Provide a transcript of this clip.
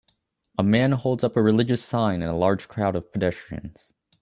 A man holds up a religious sign in a large crowd of pedestrians